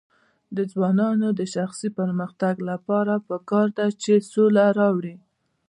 د ځوانانو د شخصي پرمختګ لپاره پکار ده چې سوله راوړي.